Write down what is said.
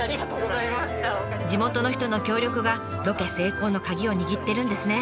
地元の人の協力がロケ成功のカギを握ってるんですね。